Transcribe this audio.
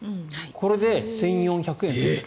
これで１４００円の節約。